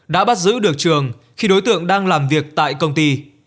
đã bắt giữ được trường khi đối tượng đang làm việc tại công ty